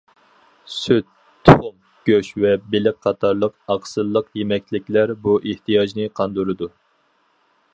سۈت، تۇخۇم، گۆش ۋە بېلىق قاتارلىق ئاقسىللىق يېمەكلىكلەر بۇ ئېھتىياجنى قاندۇرىدۇ.